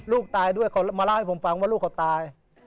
ลูกตายด้วยเขามาเล่าให้ผมฟังว่าลูกเขาตาย